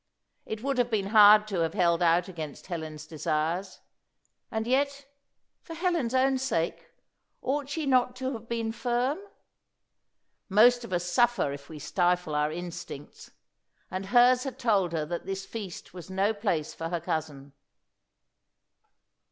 It would have been hard to have held out against Helen's desires. And yet for Helen's own sake ought she not to have been firm? Most of us suffer if we stifle our instincts; and hers had told her that this feast was no place for her cousin.